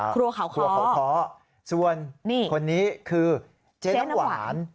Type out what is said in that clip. ครัวเขาค้อส่วนคนนี้คือเจ๊น้ำหวาน